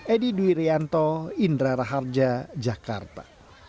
edy duirianto indra raharja jakarta